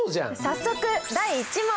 早速第１問！